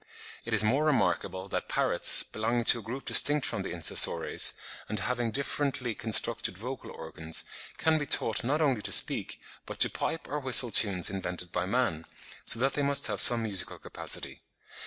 It is more remarkable that parrots, belonging to a group distinct from the Insessores, and having differently constructed vocal organs, can be taught not only to speak, but to pipe or whistle tunes invented by man, so that they must have some musical capacity.